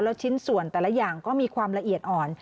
แล้วชิ้นส่วนแต่ละอย่างก็มีความละเอียดอ่อน